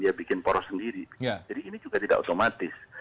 dia bikin poros sendiri jadi ini juga tidak otomatis